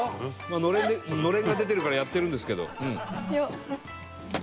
のれんが出てるからやってるんですけど。